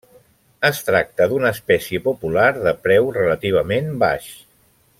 Es tracta d'una espècie popular de preu relativament baix.